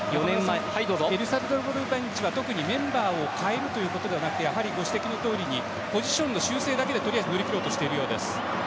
エルサルバドルベンチは特にメンバーを代えるということではなくご指摘のとおりポジションの修正だけでとりあえず乗り切ろうとしているようです。